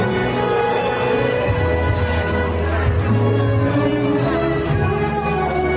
สวัสดีสวัสดี